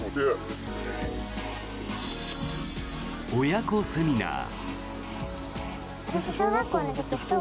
親子セミナー。